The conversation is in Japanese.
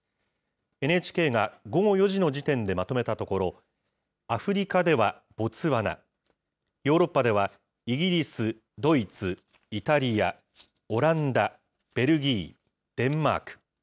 ＮＨＫが午後４時の時点でまとめたところ、アフリカではボツワナ、ヨーロッパではイギリス、ドイツ、イタリア、オランダ、ベルギー、デンマーク。